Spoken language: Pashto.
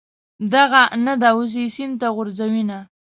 دغه نه ده، اوس یې سین ته غورځوینه.